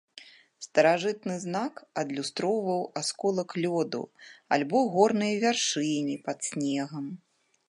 Старажытны знак адлюстроўваў асколак лёду альбо горныя вяршыні пад снегам.